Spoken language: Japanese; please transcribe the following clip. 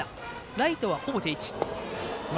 ライトは、ほぼ定位置。